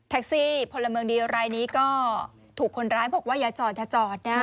เทคซี่ผลเมืองดีอยู่รายนี้ก็ถูกคนร้ายบอกว่าอย่าจอดอยากจอดนะ